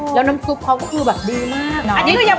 แล้วน้ำซุปเขาก็คือแบบดีมากนะ